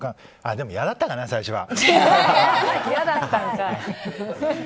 でも嫌だったかな、最初は。